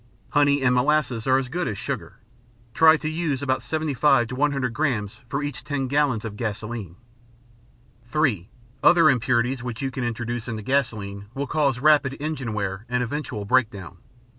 Honey and molasses are as good as sugar. Try to use about 75–100 grams for each 10 gallons of gasoline. (3) Other impurities which you can introduce into gasoline will cause rapid engine wear and eventual breakdown.